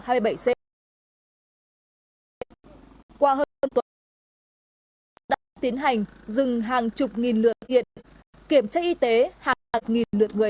qua hơn tuần tỉnh khánh hóa đã tiến hành dừng hàng chục nghìn lượt hiện kiểm tra y tế hàng nghìn lượt người